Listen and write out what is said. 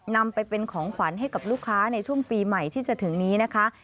นำไปเป็นของขวัญให้กับลูกค้าในช่วงปีใหม่ที่จะถึงนี้นะคะ